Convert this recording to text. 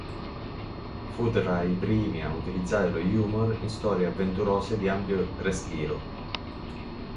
Fu tra i primi a utilizzare lo humour in storie avventurose di ampio respiro.